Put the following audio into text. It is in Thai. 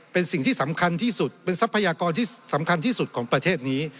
เป็นสิ่งที่สำคัญที่สุดเป็นทรัพยากรที่สำคัญที่สุดของประเทศนี้